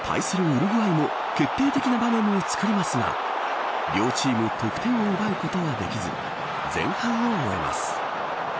ウルグアイのも定的な場面を作りますが両チーム得点を奪うことはできず前半を終えます。